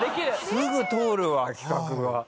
すぐ通るわ企画が。